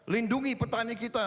lindungi petani kita